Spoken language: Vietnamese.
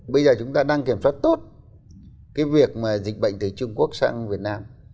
bây giờ chúng ta đang kiểm soát tốt việc dịch bệnh từ trung quốc sang việt nam